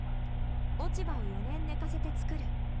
落ち葉を４年寝かせて作る。